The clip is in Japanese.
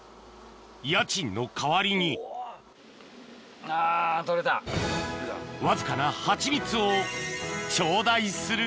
家賃の代わりにわずかなハチミツを頂戴する